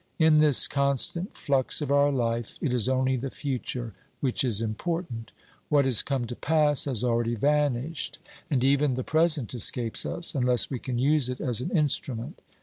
In this constant flux of our life, it is only the future which is important. What has come to pass has already vanished, and even the present escapes us, unless we can use it as an instrument.